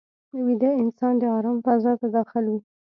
ویده انسان د آرام فضا ته داخل وي